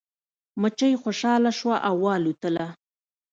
مچۍ خوشحاله شوه او والوتله.